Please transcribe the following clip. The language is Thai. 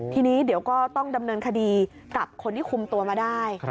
ทีนี้เดี๋ยวก็ต้องดำเนินคดีกับคนที่คุมตัวมาได้